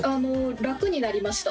楽になりました。